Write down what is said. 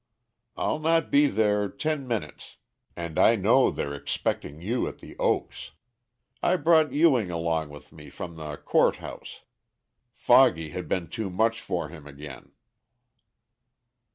I'll not be there ten minutes, and I know they're expecting you at The Oaks. I brought Ewing along with me from the Court House. Foggy had been too much for him again."